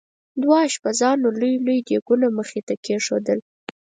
دوه اشپزانو لوی لوی دیګونه مخې ته کېښودل.